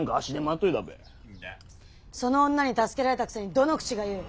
その女に助けられたくせにどの口が言う！